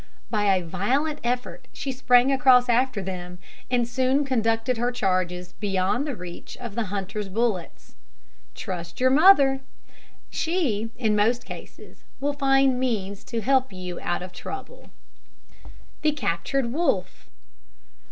By a violent effort, she sprang across after them, and soon conducted her charges beyond the reach of the hunter's bullets. Trust your mother: she, in most cases, will find means to help you out of trouble. THE CAPTURED WOLF.